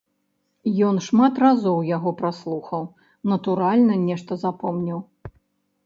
Ён шмат разоў яго праслухаў, натуральна, нешта запомніў.